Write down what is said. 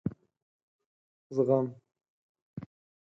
زغم ....